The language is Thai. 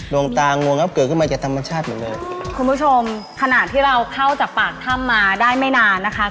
ดวงตางวงครับเกิดขึ้นมาจากธรรมชาติเหมือนเดิมคุณผู้ชมขณะที่เราเข้าจากปากถ้ำมาได้ไม่นานนะคะ